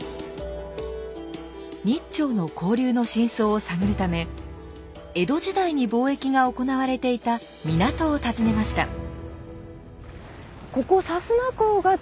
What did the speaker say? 日朝の交流の真相を探るため江戸時代に貿易が行われていた港を訪ねました。